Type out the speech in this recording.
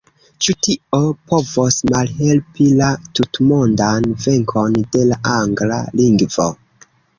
Ĉu tio povos malhelpi la tutmondan venkon de la angla lingvo?